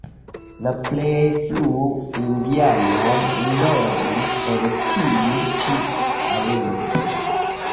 La plej frue indianoj loĝis en tiu ĉi areo.